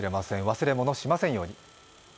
忘れ物しませんように。